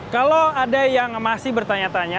kalau ada yang masih bertanya tanya